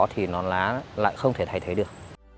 thì non lá lại không thể thay thế được